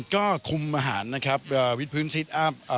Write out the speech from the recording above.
ก็คุมอาหารนะครับวิทพื้นซีสอัพ